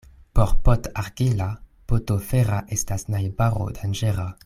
Por pot' argila poto fera estas najbaro danĝera.